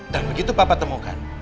dan begitu papa temukan